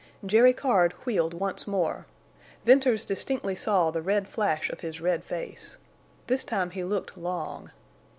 Jerry Card wheeled once more. Venters distinctly saw the red flash of his red face. This time he looked long.